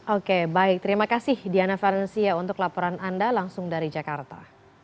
oke baik terima kasih diana valencia untuk laporan anda langsung dari jakarta